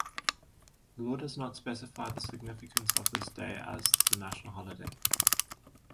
The law does not specify the significance of this day as the national holiday.